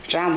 ra một bên